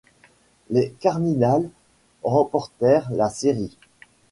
Les Cardinals remportèrent la série.